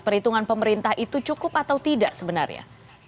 perhitungan pemerintah itu cukup atau tidak sebenarnya